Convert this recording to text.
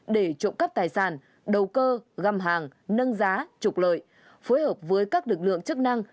để trộm cắp tài sản đầu cơ găm hàng nâng giá trục lợi phối hợp với các lực lượng chức năng